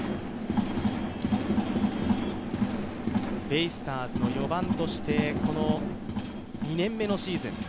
ベイスターズの４番として２年目のシーズン。